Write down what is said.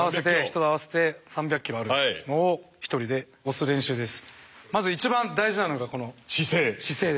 人合わせて３００ｋｇあるのをひとりで押す練習です。